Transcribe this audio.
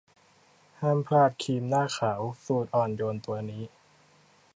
ห้ามพลาดครีมหน้าขาวสูตรอ่อนโยนตัวนี้